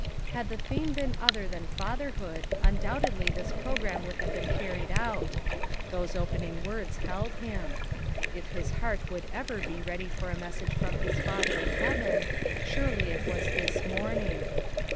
Had t ho II Hi mo boon other than fatherhood, un doubtedly this program would havo boon carried out; llioso ^opening words hold him, IT his hoard would ovor bo ready Tor a message from his leather in heaven surely it was this morn ing.